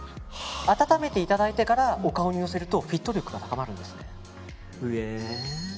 温めていただいてからお顔にのせると、フィット力が高まるんですね。